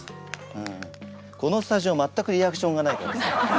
このスタジオ全くリアクションがない。